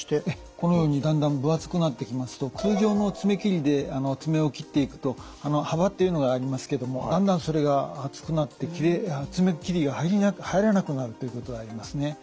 このようにだんだん分厚くなってきますと通常の爪切りで爪を切っていくと幅っていうのがありますけどもだんだんそれが厚くなって爪切りが入らなくなるということがありますね。